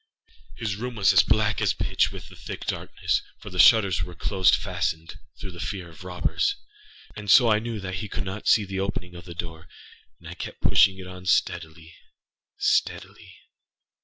His room was as black as pitch with the thick darkness, (for the shutters were close fastened, through fear of robbers,) and so I knew that he could not see the opening of the door, and I kept pushing it on steadily, steadily.